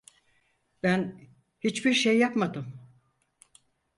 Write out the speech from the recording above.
Ben hiçbirşey yapmadım.